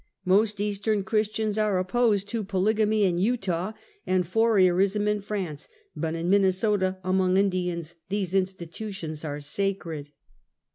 Most Eastern Christians are opposed to polygamy in Utah, and Fourierism in France, but in Minnesota among Indians these institutions are sacred.